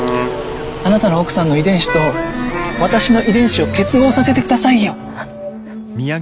あなたの奥さんの遺伝子と私の遺伝子を結合させてくださいよ。